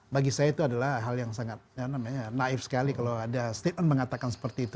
bagi saya itu adalah hal yang sangat naif sekali kalau ada statement mengatakan seperti itu